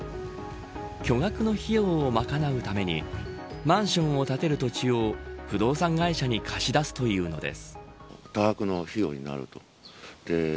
巨額の費用を賄うためにマンションを建てる土地を不動産会社に貸し出すというのです。